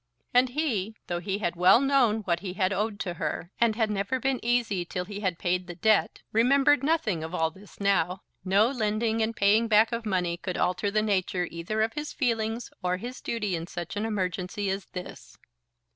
And he, though he had well known what he had owed to her, and had never been easy till he had paid the debt, remembered nothing of all this now. No lending and paying back of money could alter the nature either of his feelings or his duty in such an emergency as this.